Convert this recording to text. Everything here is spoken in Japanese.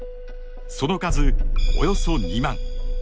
その数およそ２万。